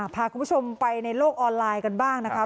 พาคุณผู้ชมไปในโลกออนไลน์กันบ้างนะคะ